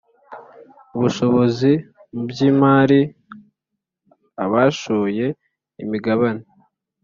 ubushobozi mu by imariabashoye imigabane